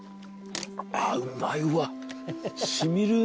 あうまいわ。